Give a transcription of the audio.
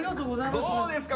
どうですか？